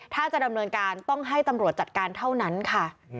ถ้าจะดำเนินการต้องให้ตำรวจจัดการเท่านั้นค่ะ